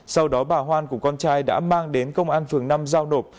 sau đó bà hoan cùng con trai đã mang đến công an phường năm giao nộp